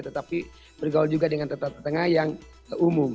tetapi bergaul juga dengan tetap tetangga yang umum